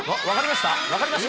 分かりました？